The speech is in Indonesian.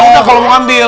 ya kalau mau ambil